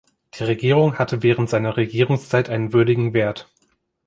Die Regierung hatte während seiner Regierungszeit einen würdigen Wert.